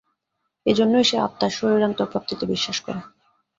এই জন্যই সে আত্মার শরীরান্তর-প্রাপ্তিতে বিশ্বাস করে।